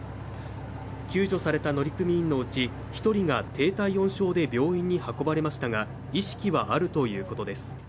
救助された乗組員のうち１人が低体温症で病院に運ばれましたが意識はあるということです。